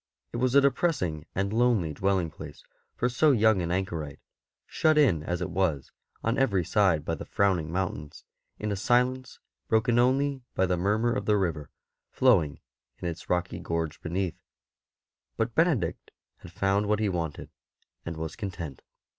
It was a depressing and lonely dwelling place for so young an anchorite, shut in as it was on every side by the frowning mountains, in a silence broken only by the murmur of the river flowing in its rocky gorge beneath; but Benedict had found what he wanted, and was content.